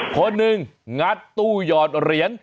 คนหนึ่งงัดตู้หยอดเหรียญ